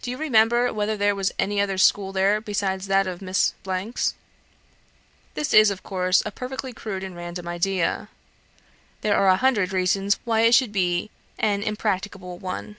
Do you remember whether there was any other school there besides that of Miss ? This is, of course, a perfectly crude and random idea. There are a hundred reasons why it should be an impracticable one.